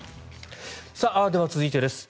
では続いてです。